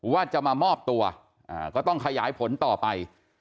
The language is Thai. ว่าจะมามอบตัวก็ต้องขยายผลต่อไป